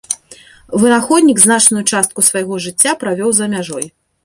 Вынаходнік значную частку свайго жыцця правёў за мяжой.